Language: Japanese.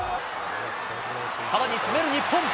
さらに攻める日本。